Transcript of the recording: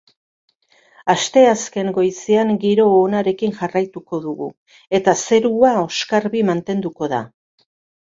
Asteazken goizean giro onarekin jarraituko dugu, eta zerua oskarbi mantenduko da.